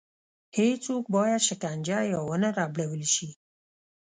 هېڅوک باید شکنجه یا ونه ربړول شي.